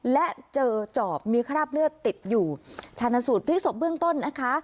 และเจอจอบมีคราบเลือดติดอยู่ชาญสูตรพลิกศพเบื้องต้นนะคะ